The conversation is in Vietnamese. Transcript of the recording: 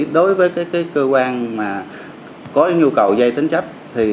đối với các cơ quan có nhu cầu dây tính chấp